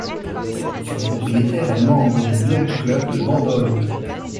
Son propriétaire est membre du Yacht Club de Bandol.